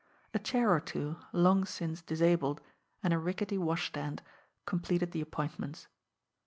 A chair or two, long since disabled, and a rickety washstand completed the appointments.